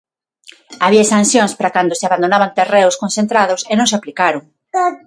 Había sancións para cando se abandonaban terreos concentrados e non se aplicaron.